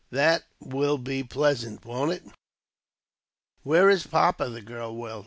That will be pleasant, won't it?" "Where is papa?" the girl wailed.